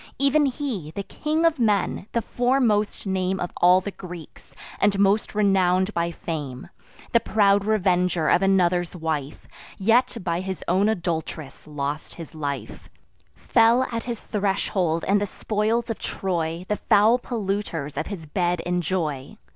Ev'n he, the King of Men, the foremost name Of all the Greeks, and most renown'd by fame, The proud revenger of another's wife, Yet by his own adult'ress lost his life; Fell at his threshold; and the spoils of Troy The foul polluters of his bed enjoy.